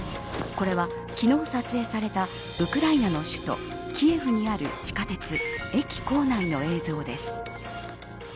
これは昨日、撮影されたウクライナの首都キエフにある地下鉄駅構内の映像です。